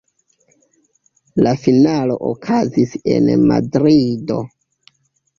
La finalo okazis en Madrido.